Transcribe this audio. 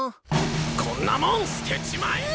こんなもん捨てちまえ！